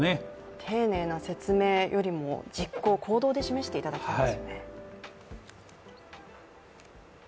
丁寧な説明よりも、実行、行動で示してもらいたいですよね。